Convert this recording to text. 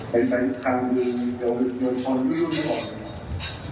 เป็นสัญคันหยุดคนรื่นร่วม